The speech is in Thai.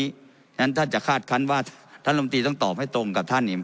ฉะนั้นท่านจะคาดคั้นว่าท่านลมตีต้องตอบให้ตรงกับท่าน